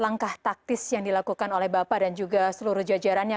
langkah taktis yang dilakukan oleh bapak dan juga seluruh jajarannya